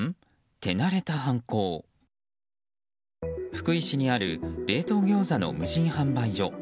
福井市にある冷凍ギョーザの無人販売所。